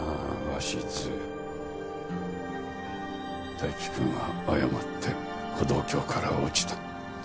泰生君は誤って歩道橋から落ちた。